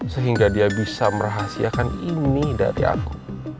sehingga dia bisa merahasiakan ini dari aku